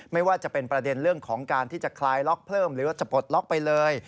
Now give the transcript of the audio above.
ไม่ว่าจะเป็นประเด็นเรื่องของการที่จะคลายล็อกเพิ่มหรือว่าจะปลดล็อกไปเลย